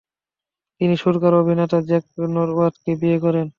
তিনি সুরকার ও অভিনেতা জ্যাক নরওয়ার্থকে বিয়ে করেন।